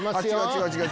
違う違う！